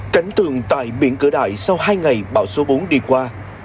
cánh tường tại biển cửa đại sau hai ngày bão số bốn đi qua